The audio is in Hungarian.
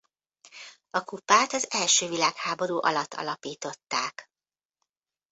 A kupát az első világháború alatt alapították.